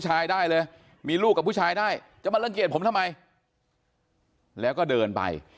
ชายได้เลยมีลูกกับผู้ชายได้จะมารังเกียจผมทำไมแล้วก็เดินไป